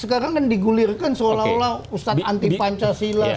sekarang kan digulirkan seolah olah ustadz anti pancasila